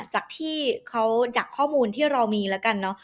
จากที่เขาดักข้อมูลที่เรามีแล้วกันเนอะ